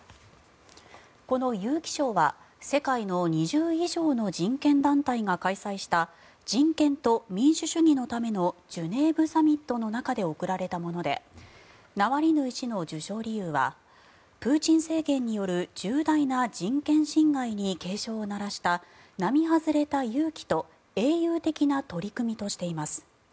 この勇気賞は世界の２０以上の人権団体が開催した人権と民主主義のためのジュネーブ・サミットの中で贈られたものでナワリヌイ氏の受賞理由はプーチン政権による重大な人権侵害に警鐘を鳴らした並外れた勇気と英雄的な取り組みとしています。